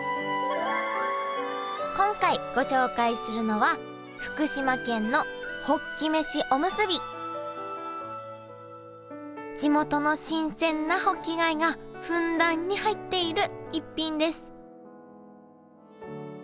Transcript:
今回ご紹介するのは地元の新鮮なホッキ貝がふんだんに入っている逸品です